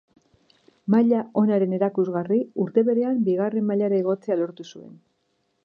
Maila onaren erakusgarri, urte berean Bigarren mailara igotzea lortu zuen.